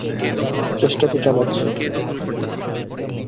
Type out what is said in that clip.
চেষ্টা তো চালাচ্ছি।